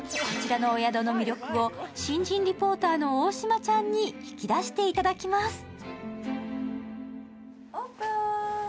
こちらのお宿の魅力を新人リポーターの大島ちゃんに引き出していただきます。